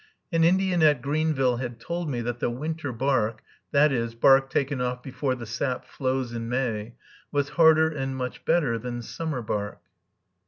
An Indian at Greenville had told me that the winter bark, that is, bark taken off before the sap flows in May, was harder and much better than summer bark.